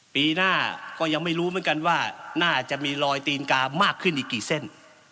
ปีหน้าก็ยังไม่รู้เหมือนกันว่าน่าจะมีรอยตีนกามากขึ้นอีกกี่เส้น